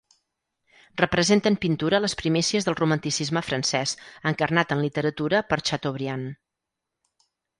Representa en pintura les primícies del romanticisme francès, encarnat en literatura per Chateaubriand.